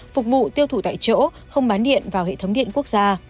phục vụ tiêu thụ tại chỗ không bán điện vào hệ thống điện quốc gia